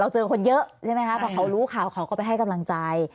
เจอคนเยอะใช่ไหมคะพอเขารู้ข่าวเขาก็ไปให้กำลังใจ